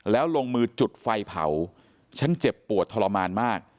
แล้วลงมือจุดไฟเผาฉันเจ็บปวดทรมานมาก